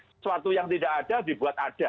sesuatu yang tidak ada dibuat ada